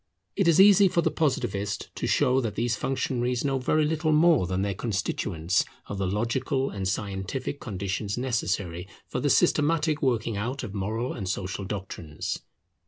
It is easy for the Positivist to show that these functionaries know very little more than their constituents of the logical and scientific conditions necessary for the systematic working out of moral and social doctrines.